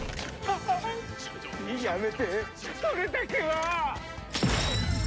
やめてそれだけは！